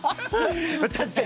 確かに。